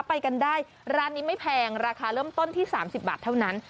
ไปกันได้ร้านนี้ไม่แพงราคาเริ่มต้นที่๓๐บาทเท่านั้น